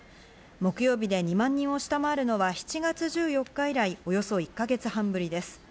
木曜日で２万人を下回るのは７月１４日以来、およそ１か月半ぶりです。